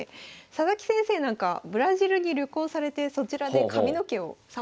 佐々木先生なんかブラジルに旅行されてそちらで髪の毛を散髪したりとか。